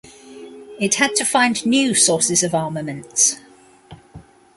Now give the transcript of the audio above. It had to find new sources of armaments.